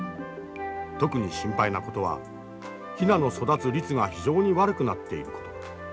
特に心配なことはヒナの育つ率が非常に悪くなっていること。